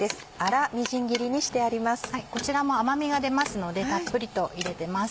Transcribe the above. こちらも甘みが出ますのでたっぷりと入れてます。